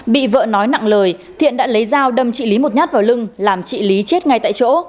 bị vợ nói nặng lời thiện đã lấy dao đâm chị lý một nhát vào lưng làm chị lý chết ngay tại chỗ